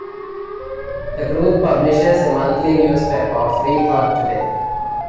The group publishes a monthly newspaper, "Freethought Today".